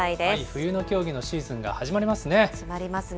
冬の競技のシーズンが始まりますね。